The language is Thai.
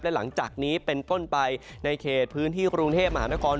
และหลังจากนี้เป็นต้นไปในเขตพื้นที่กรุงเทพมหานคร